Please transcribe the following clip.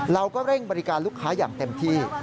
เราก็เร่งบริการลูกค้าอย่างเต็มที่